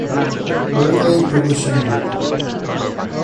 Berkeley Publishing Group.